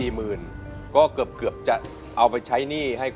เหลืองตาย